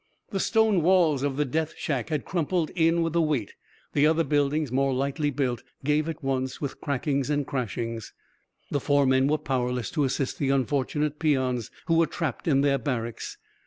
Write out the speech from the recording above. The stone walls of the death shack had crumpled in with the weight; the other buildings, more lightly built, gave at once, with crackings and crashings. The four men were powerless to assist the unfortunate peons, who were trapped in their barracks.